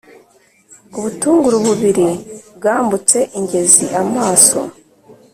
Ubutunguru bubiri bwambutse ingezi-Amaso.